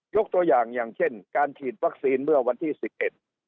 ยกตัวอย่างอย่างเช่นการฉีดวัคซีนเมื่อวันที่สิบเอ็ด